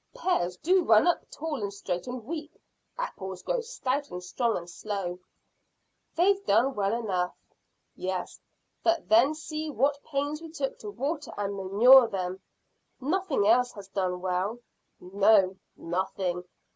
"Pears do run up tall and straight and weak. Apples grow stout and strong and slow." "They've done well enough." "Yes; but then see what pains we took to water and manure them. Nothing else has done well." "No, nothing.